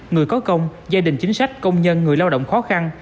người có công gia đình chính sách công nhân người lao động khó khăn